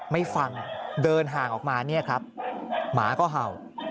ไม่ฟังเดินห่างออกมาเนี่ยครับหมาก็เห่า